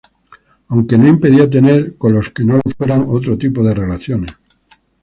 Aunque no impedía tener con los que no lo fueran otro tipo de relaciones.